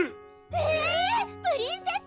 えぇ⁉プリンセス！